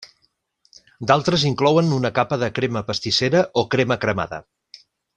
D'altres inclouen una capa de crema pastissera o crema cremada.